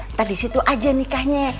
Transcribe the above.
entah di situ aja nikahnya